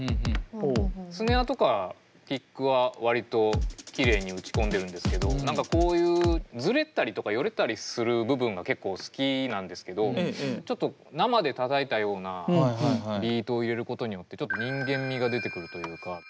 スネアとかキックは割ときれいに打ち込んでるんですけど何かこういうズレたりとかヨレたりする部分が結構好きなんですけどちょっと生でたたいたようなビートを入れることによってちょっと人間味が出てくるというか。